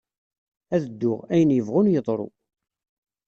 Ad dduɣ, ayen yebɣun yeḍru.